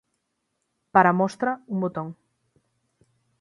Para mostra un botón.